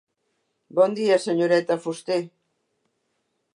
Bon dia, senyoreta Fuster.